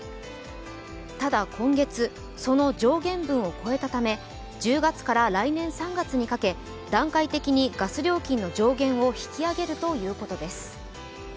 ただ、今月、その上限分を超えたため１０月から来年３月にかけ段階的にガス料金の上限を引き上げるということです。